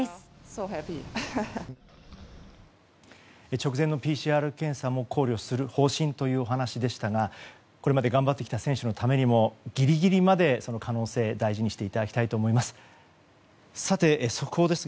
直前のＰＣＲ検査も考慮する方針というお話でしたがこれまで頑張ってきた選手のためにもギリギリまでその可能性を大事にしていただきたいと思います。